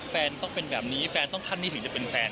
แฟนต้องเป็นแบบนี้แฟนต้องขั้นนี้ถึงจะเป็นแฟน